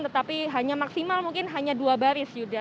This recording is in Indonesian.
tetapi hanya maksimal mungkin hanya dua baris yuda